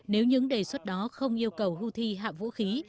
nếu những đề xuất đó không yêu cầu hưu thi hạm vũ khí